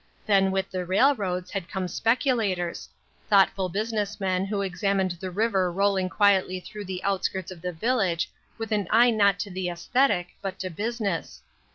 Then with the railroads had come specu lators — thoughtful business men who examined the river rolling quietly through the outskirts of the village with an eye not to the aesthetic, but to business.